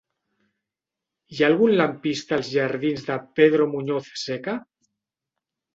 Hi ha algun lampista als jardins de Pedro Muñoz Seca?